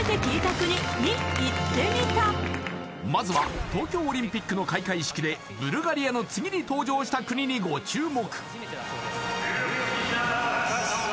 まずは東京オリンピックの開会式でブルガリアの次に登場した国にご注目